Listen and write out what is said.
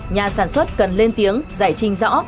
nhà sản xuất cần lên tiếng giải trình rõ